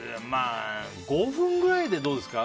５分ぐらいでどうですか？